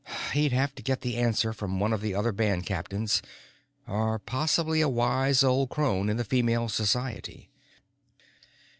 He'd have to get the answer from one of the other band captains or possibly a wise old crone in the Female Society.